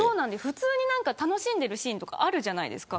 普通に楽しんでるシーンとかあるじゃないですか。